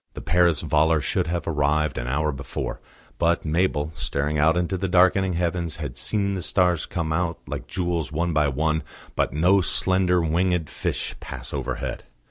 The Paris volor should have arrived an hour before, but Mabel, staring out into the darkening heavens had seen the stars come out like jewels one by one, but no slender winged fish pass overhead.